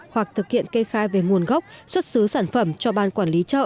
hoặc thực hiện kê khai về nguồn gốc xuất xứ sản phẩm cho ban quản lý chợ